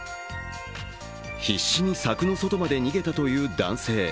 必死に柵の外まで逃げたという男性。